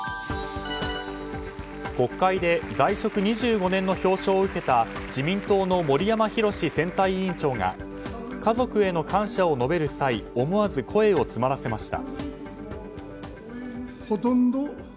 国会で在職２５年の表彰を受けた自民党の森山裕選対委員長が家族への感謝を述べる際思わず声を詰まらせました。